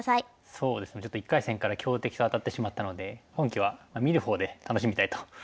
そうですねちょっと１回戦から強敵と当たってしまったので今期は見るほうで楽しみたいと思います。